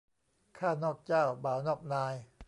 ข้านอกเจ้าบ่าวนอกนาย